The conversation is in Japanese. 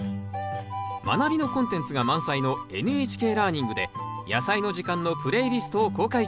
まなびのコンテンツが満載の「ＮＨＫラーニング」で「やさいの時間」のプレイリストを公開中。